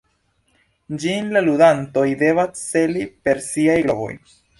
Ĝin la ludantoj devas celi per siaj globoj.